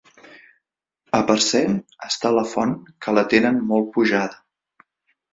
A Parcent està la font, que la tenen molt pujada.